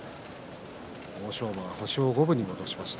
欧勝馬、星を五分に戻しました。